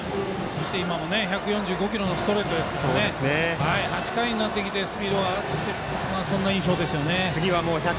１４５キロのストレートですから８回になってきてスピードが上がってきている印象ですね。